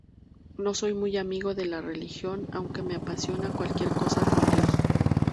No soy muy amigo de la religión aunque me apasiona cualquier cosa con Dios.